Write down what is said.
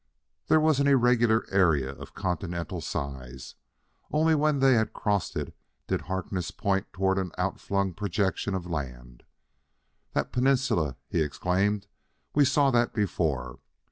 There was an irregular area of continental size; only when they had crossed it did Harkness point toward an outflung projection of land. "That peninsula," he exclaimed; "we saw that before!